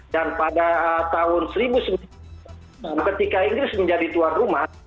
dan pada tahun seribu sembilan ratus enam ketika inggris menjadi tuan rumah